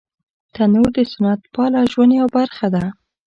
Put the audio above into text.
تنور د سنت پاله ژوند یوه برخه ده